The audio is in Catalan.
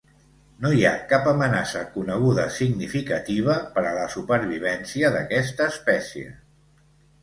No hi ha cap amenaça coneguda significativa per a la supervivència d'aquesta espècie.